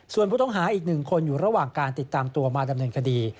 ส่วนผู้ต้องหาอีก๑คนอยู่ระหว่างการติดตามตัวมาดำเนินคดี